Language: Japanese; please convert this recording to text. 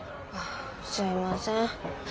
あすいません。